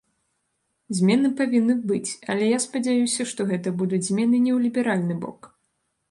Змены павінны быць, але я спадзяюся, што гэта будуць змены не ў ліберальны бок.